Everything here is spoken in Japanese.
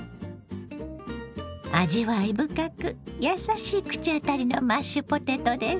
味わい深く優しい口当たりのマッシュポテトです。